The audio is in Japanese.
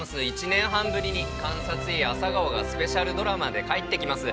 １年半ぶりに「監察医朝顔」がスペシャルドラマで帰ってきます。